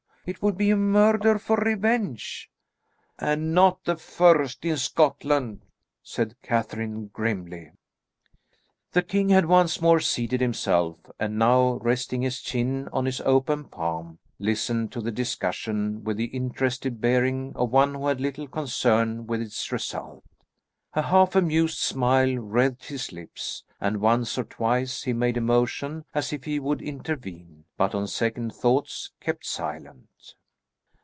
It will be a murder for revenge." "And not the first in Scotland," said Catherine grimly. The king had once more seated himself, and now, resting his chin on his open palm, listened to the discussion with the interested bearing of one who had little concern with its result. A half amused smile wreathed his lips, and once or twice he made a motion as if he would intervene, but on second thoughts kept silent.